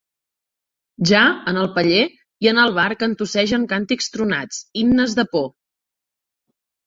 Ja en el paller i en el bar cantussegen càntics tronats, himnes de por!